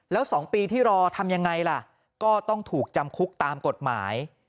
แล้ว๒ปีที่รอทำยังไงล่ะก็ต้องถูกจำคุกตามกฎหมาย